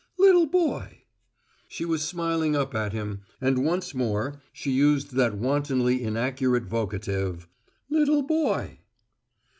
"Little boy!" She was smiling up at him, and once more she used that wantonly inaccurate vocative: "Little boy!"